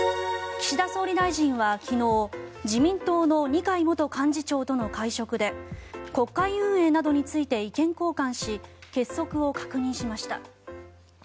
岸田総理大臣は昨日自民党の二階元幹事長との会食で国会運営などについて意見交換し結束を確認しました。